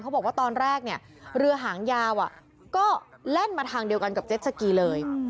บอกว่าตอนแรกเนี่ยเรือหางยาวก็แล่นมาทางเดียวกันกับเจ็ดสกีเลย